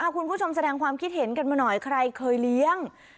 คุณผู้ชมแสดงความคิดเห็นกันมาหน่อยใครเคยเลี้ยง